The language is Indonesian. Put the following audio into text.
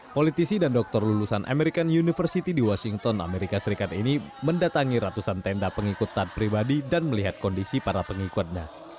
politisi dan dokter lulusan american university di washington amerika serikat ini mendatangi ratusan tenda pengikut taat pribadi dan melihat kondisi para pengikutnya